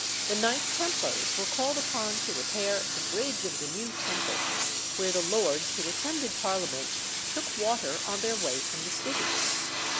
the Knights Templars were called upon to repair "the bridge of the new Temple," where the lords who attended Parliament took water on their way from the City.